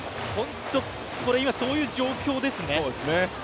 これ今、こういう状況ですね